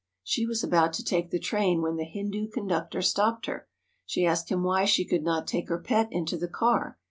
She was about to take the train when the Hindu conductor stopped her. She asked him why she could not take her pet into the car.